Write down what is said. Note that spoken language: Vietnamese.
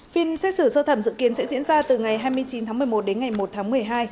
phiên xét xử sơ thẩm dự kiến sẽ diễn ra từ ngày hai mươi chín tháng một mươi một đến ngày một tháng một mươi hai